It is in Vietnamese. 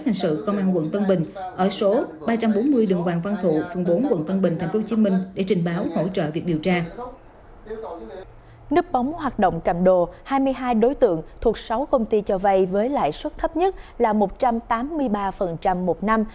nấp bóng hoạt động cầm đồ hai mươi hai đối tượng thuộc sáu công ty cho vay với lãi suất thấp nhất là một trăm tám mươi ba một năm